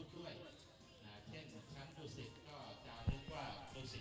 ท่านใดอยากจะจองสิบหกชุดก็มาที่อัตมาได้